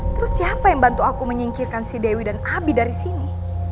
terus siapa yang bantu aku menyingkirkan si dewi dan abi dari sini